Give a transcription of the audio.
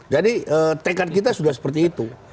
jadi tekad kita sudah seperti itu